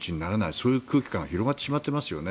そういう空気感が広がってしまっていますよね。